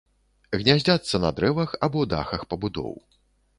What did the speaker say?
Гняздзяцца на дрэвах або дахах пабудоў.